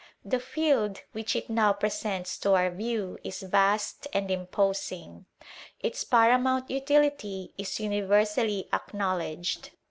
The field which it now presents to our view is vast an^ imposing. Its paramount utility is universally ac knowledged.